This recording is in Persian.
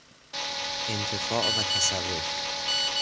انتفاع و تصرف